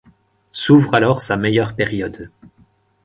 S'ouvre alors sa meilleure période.